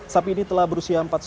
sapi ini telah berusia